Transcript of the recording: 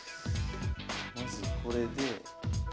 まずこれで。